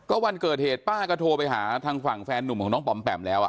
ก็วันเกิดเหตุป้าก็โทรไปหาทางฝั่งแฟนหนุ่มของน้องปอมแปมแล้ว